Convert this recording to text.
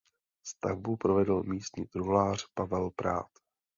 Stavbu provedl místní truhlář Pavel Prát.